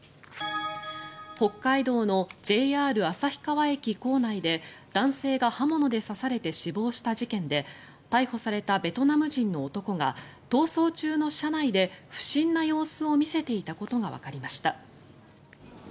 北海道のＪＲ旭川駅構内で男性が刃物で刺されて死亡した事件で逮捕されたベトナム人の男が逃走中の車内で不審な様子を見せていたことがわかりました。